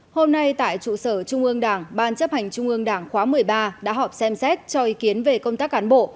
hôm nay tại trụ sở trung ương đảng ban chấp hành trung ương đảng khóa một mươi ba đã họp xem xét cho ý kiến về công tác cán bộ